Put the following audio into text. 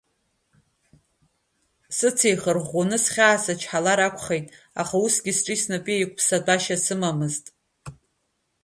Сыц еихарӷәӷәаны схьаа сычҳалар акәхеит, аха усгьы сҿи снапи еиқәыԥса тәашьа сымамызт…